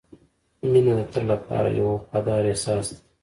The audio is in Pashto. • مینه د تل لپاره یو وفادار احساس دی.